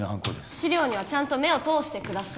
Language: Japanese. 資料には目を通してください